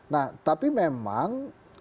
nah tapi memang